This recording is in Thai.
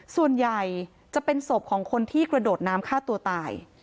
ส่วนใหญ่จะเป็นศพของคนที่กระโดดน้ำฆ่าตัวตาย